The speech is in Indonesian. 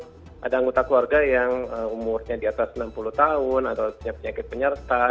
iya di dalam rumah yang ada anggota keluarga yang umurnya di atas enam puluh tahun atau punya penyakit penyerta